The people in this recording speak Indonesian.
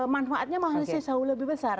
manfaatnya mahasiswa lebih besar